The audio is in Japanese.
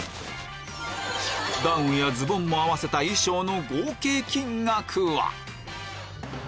ダウンやズボンも合わせた衣装の合計金額は？